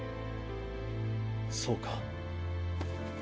そうか。